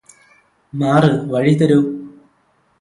മാറ് വഴി തരൂ